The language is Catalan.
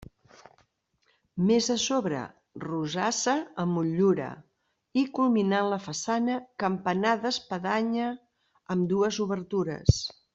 Més a sobre, rosassa amb motllura, i culminant la façana, campanar d'espadanya amb dues obertures.